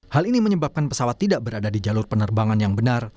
hal ini menyebabkan pesawat tidak berada di jalur penerbangan yang benar